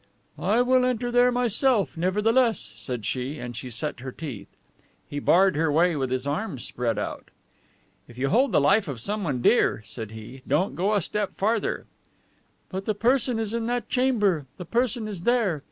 "I will enter there, myself, nevertheless," said she, and she set her teeth. He barred her way with his arms spread out. "If you hold the life of someone dear," said he, "don't go a step farther." "But the person is in that chamber. The person is there!